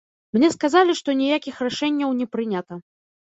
Мне сказалі, што ніякіх рашэнняў не прынята.